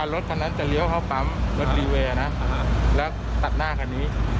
รถคันนั้นจะเลี้ยวเข้าปั๊มรถวีเวย์นะแล้วตัดหน้าคันนี้